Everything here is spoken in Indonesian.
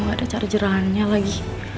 nggak ada charger annya lagi